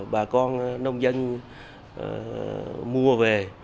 bà con nông dân mua về